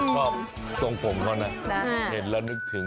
แต่หน้ามีบุ๊ธดีเจกันนะ